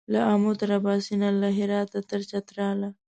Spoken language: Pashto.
له آمو تر اباسینه له هراته تر چتراله